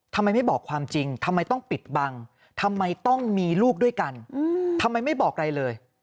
ทำไมไม่บอกความจริงทำไมต้องปิดบังทำไมต้องมีลูกด้วยกันทำไมไม่บอกอะไรเลย